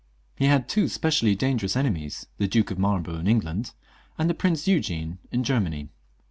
He had two specially dangerous enemies, the Duke of Marlborough in England, and the Prince Eugene in Germany.